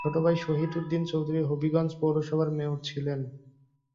তার ছোট ভাই শহিদ উদ্দিন চৌধুরী হবিগঞ্জ পৌরসভার মেয়র ছিলেন।